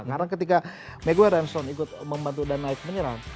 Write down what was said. karena ketika maguire dan johnstone ikut membantu dan naik menyerang